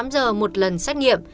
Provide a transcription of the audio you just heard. bốn mươi tám giờ một lần xét nghiệm